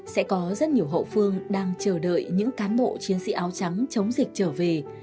sẽ có rất nhiều hậu phương đang chờ đợi những cán bộ chiến sĩ áo trắng chống dịch trở về